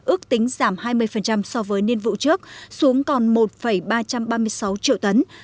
ước tính giảm hai mươi so với niên vụ trước xuống còn một ba trăm ba mươi sáu triệu tấn